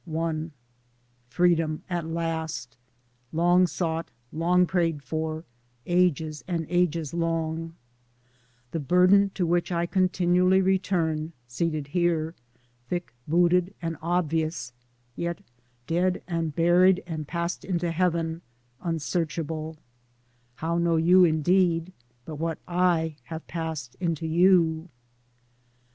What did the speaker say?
FREEDOM at last ! Long sought, long prayed for — ages and ages long : The burden to which I continually return, seated here thick booted and obvious yet dead and buried and passed into heaven, unsearchable ; [How know you indeed but what I have passed into you